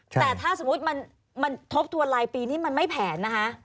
แต่ถ้าสมมุติมันทบทวนลายปีนี่มันไม่แผนนะคะ